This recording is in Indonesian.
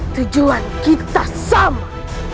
tujuan kita sama